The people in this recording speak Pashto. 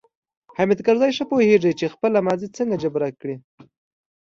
حامد کرزی ښه پوهیږي چې خپله ماضي څنګه جبیره کړي.